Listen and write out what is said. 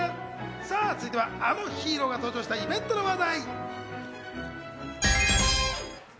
続いてはあのヒーローが登場したイベントの話題。